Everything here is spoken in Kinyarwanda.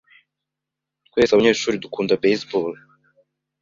Twese abanyeshuri dukunda baseball.